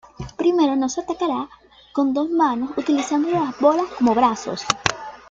Primero nos atacará con dos manos utilizando las bolas como brazos.